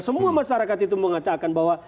semua masyarakat itu mengatakan bahwa